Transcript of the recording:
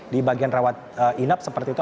di bagian rawat inap seperti itu